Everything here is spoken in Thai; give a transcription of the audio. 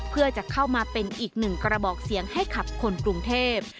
เพื่อจะเข้ามาเป็นอีกหนึ่งกระบอกเสียงให้ขับคนกรุงเทพ